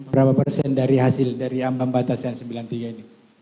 berapa persen dari hasil dari ambang batas yang sembilan puluh tiga ini